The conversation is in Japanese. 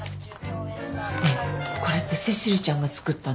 ねえこれってセシルちゃんがつくったの？